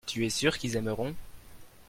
tu es sûr qu'ils aimeront.